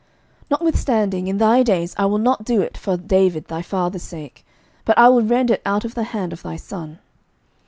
11:011:012 Notwithstanding in thy days I will not do it for David thy father's sake: but I will rend it out of the hand of thy son.